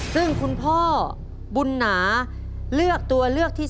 ซึ่งคุณพ่อบุญหนาเลือกตัวเลือกที่๓